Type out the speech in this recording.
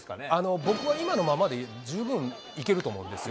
僕は今のままで十分いけると思うんですよ。